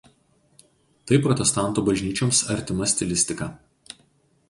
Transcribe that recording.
Tai protestantų bažnyčioms artima stilistika.